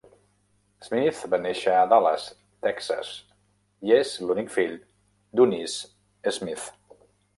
Smith va néixer a Dallas, Texas, i és l'únic fill d'Eunice Smith.